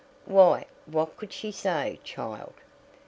"Why, what could she say, child?"